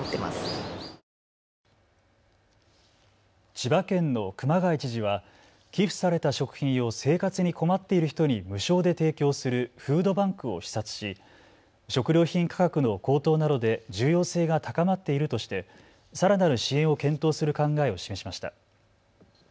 千葉県の熊谷知事は寄付された食品を生活に困っている人に無償で提供するフードバンクを視察し食料品価格の高騰などで重要性が高まっているとしてさらなる支援を検討する考えを示しました。